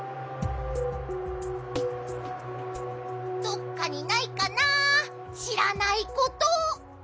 どっかにないかなしらないこと。